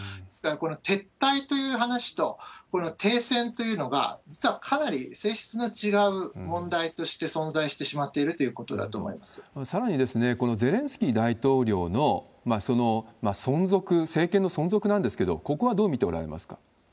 ですから、この撤退という話と、この停戦というのが、実はかなり性質の違う問題として存在してしまっているということさらに、このゼレンスキー大統領の、その存続、政権の存続なんですけれども、ここはどう見ておられますか。